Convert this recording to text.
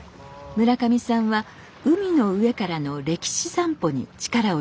村上さんは海の上からの歴史散歩に力を入れています。